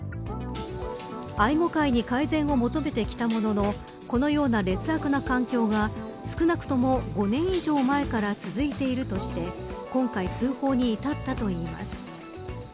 愛護会に改善を求めてきたもののこのような劣悪な環境が少なくとも５年以上前から続いているとして今回通報に至ったといいます。